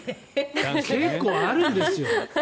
結構あるんですよ。